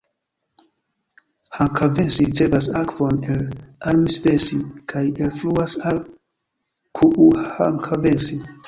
Hankavesi ricevas akvon el Armisvesi kaj elfluas al Kuuhankavesi.